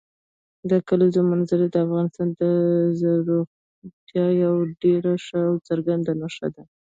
د کلیزو منظره د افغانستان د زرغونتیا یوه ډېره ښه او څرګنده نښه ده.